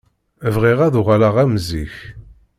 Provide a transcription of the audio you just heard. Bɣiɣ ad uɣaleɣ am zik.